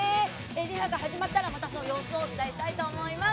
リハが始まったら様子をお伝えしたいと思います。